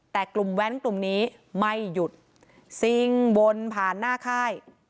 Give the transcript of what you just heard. แต่กลุ่มแว้นกลุ่มนี้ไม่หยุดซิ่งวนผ่านหน้าค่าย